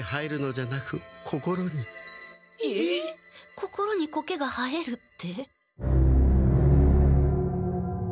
心にコケが生えるって。